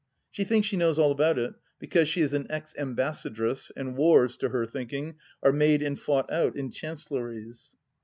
She thinks she knows all about it, because she is an ex Ambassadress, and wars, to her thinking, are made and fojught out in Chancelleries.